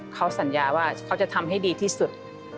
เขาสัญญาว่าเขาจะทำให้ดีที่สุด